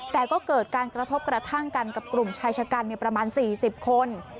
แต่ก็เกิดการกระทบกระทั่งกันกับกลุ่มชายชะกันประมาณ๔๐คน